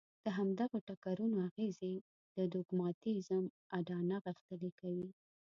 د همدغو ټکرونو اغېزې د دوګماتېزم اډانه غښتلې کوي.